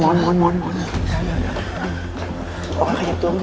เอามาขยับตัวมันด้วย